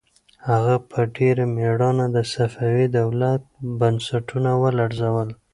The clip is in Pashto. هغه په ډېر مېړانه د صفوي دولت بنسټونه ولړزول.